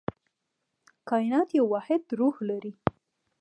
کائنات یو واحد روح لري.